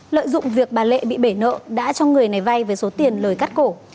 lợi dụng việc bà lệ bị bể nợ đã cho người này vay với số tiền lời cắt cổ